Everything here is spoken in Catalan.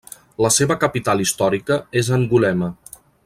La seva capital històrica és Angulema.